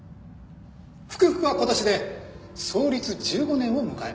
福々は今年で創立１５年を迎えました。